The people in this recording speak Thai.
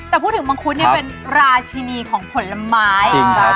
แต่พูดถึงมังคุดเนี่ยเป็นราชินีของผลไม้